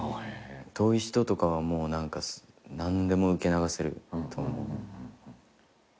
遠い人とかはもう何か何でも受け流せると思う。